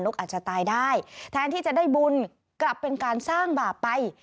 อาจจะตายได้แทนที่จะได้บุญกลับเป็นการสร้างบาปไป